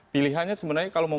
pilihannya sebenarnya kalau mau